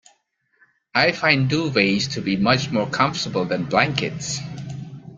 I find duvets to be much more comfortable than blankets